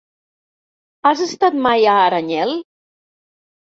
Has estat mai a Aranyel?